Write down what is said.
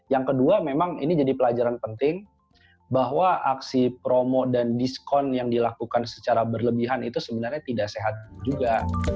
yang kedua memang ini jadi pelajaran penting bahwa aksi promo dan diskon yang dilakukan secara berlebihan itu sebenarnya tidak sehat juga